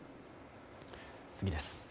次です。